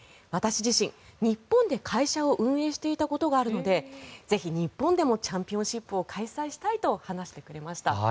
私自身、日本で会社を運営していたことがあるのでぜひ日本でもチャンピオンシップを開催したいと話してくれました。